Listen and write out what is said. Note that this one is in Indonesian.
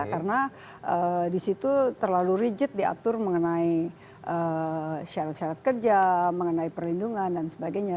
karena di situ terlalu rigid diatur mengenai syarat syarat kerja mengenai perlindungan dan sebagainya